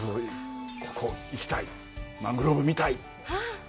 ここ行きたい、マングローブ見たい。